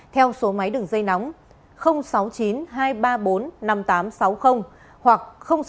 theo số máy đường dây nóng sáu mươi chín hai trăm ba mươi bốn năm nghìn tám trăm sáu mươi hoặc sáu mươi chín hai trăm ba mươi hai một nghìn sáu trăm